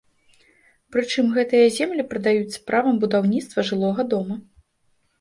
Прычым гэтыя землі прадаюць з правам будаўніцтва жылога дома.